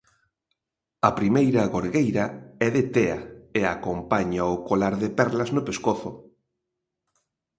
A primeira gorgueira é de tea e acompaña o colar de perlas no pescozo.